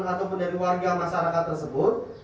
ataupun dari warga masyarakat tersebut